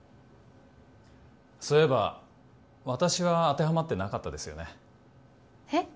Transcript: そういえば私は当てはまってなかったですよねへっ？